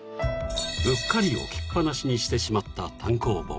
［うっかり置きっ放しにしてしまった単行本］